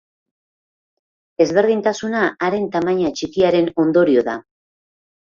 Ezberdintasuna haren tamaina txikiaren ondorio da.